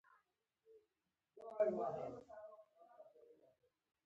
د همدې توازن په ساتلو انسان بریالی پاتې شوی.